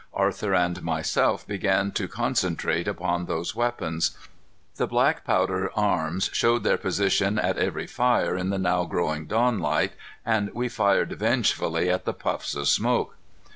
Arthur and myself began to concentrate upon those weapons. The black powder arms showed their position at every fire in the now growing dawnlight, and we fired vengefully at the puffs of smoke.